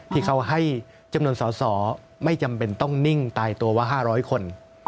ที่เขาให้จำนวนสอสอไม่จำเป็นต้องนิ่งตายตัวว่า๕๐๐คน